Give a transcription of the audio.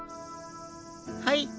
はい？